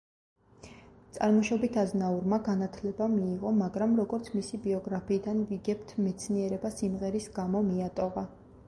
წარმოშობით აზნაურმა განათლება მიიღო, მაგრამ, როგორც მისი „ბიოგრაფიიდან“ ვიგებთ, „მეცნიერება სიმღერის გამო მიატოვა“.